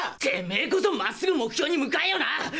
てめえこそまっすぐ目標に向かえよな！